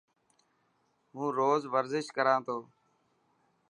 هون روز ورزش ڪران ٿو.